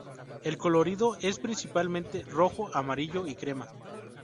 El colorido es, principalmente, rojo, amarillo y crema.